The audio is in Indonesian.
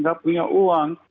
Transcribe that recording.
gak punya uang